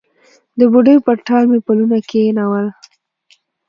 د بوډۍ پر ټال مې پلونه کښېښول